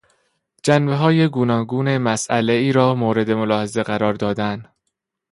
جنبههای گوناگون مسئلهای را مورد ملاحظه قرار دادن